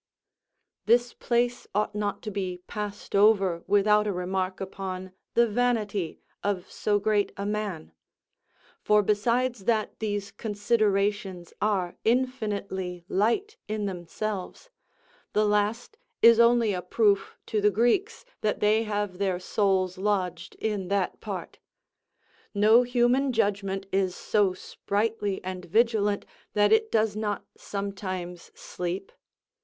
This place ought not to be passed over without a remark upon the vanity of so great a man; for besides that these considerations are infinitely light in themselves, the last is only a proof to the Greeks that they have their souls lodged in that part. No human judgment is so sprightly and vigilant that it does not sometimes sleep.